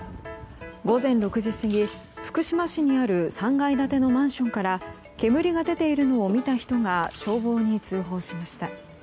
午前６時過ぎ、福島市にある３階建てのマンションから煙が出ているのを見た人が消防に通報しました。